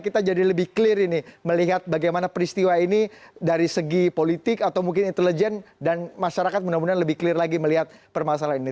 kita jadi lebih clear ini melihat bagaimana peristiwa ini dari segi politik atau mungkin intelijen dan masyarakat mudah mudahan lebih clear lagi melihat permasalahan ini